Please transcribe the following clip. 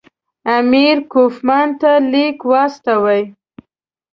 امیر کوفمان ته لیک واستاوه.